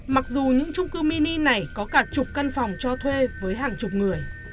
mặc dù những trung cư mini này có cả chục căn phòng cho thuê với hàng chục người